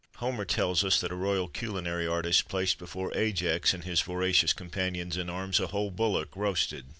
] Homer tells us that a royal culinary artist placed before Ajax and his voracious companions in arms a whole bullock roasted.